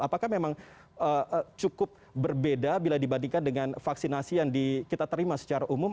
apakah memang cukup berbeda bila dibandingkan dengan vaksinasi yang kita terima secara umum